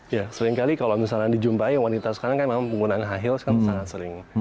ya seringkali kalau misalnya dijumpai wanita sekarang kan memang penggunaan high heels kan sangat sering